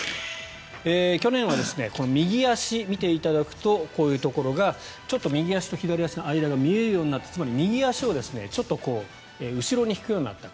去年は右足を見ていただくとこういうところがちょっと右足と左足の間が見えるようになってつまり右足をちょっと後ろに引くようになった。